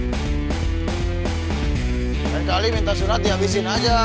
kalian kali ini minta surat di habisiin aja